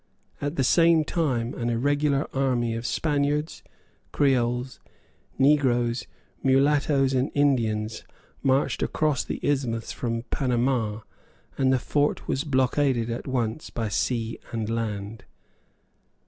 At the same time an irregular army of Spaniards, Creoles, negroes, mulattoes and Indians marched across the isthmus from Panama; and the fort was blockaded at once by sea and land.